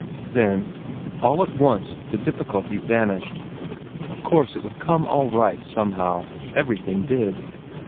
Then all at once the difficulty vanished. Of course it would come all right somehow. Everything did.